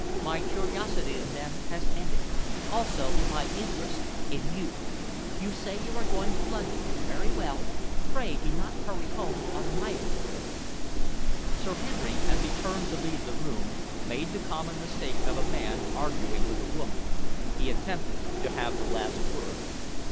My curiosity in them has ended; also my interest in you. You say you are going to London. Very well. Pray do not hurry home on my account." Sir Henry, as he turned to leave the room, made the common mistake of a man arguing with a woman he attempted to have the last word.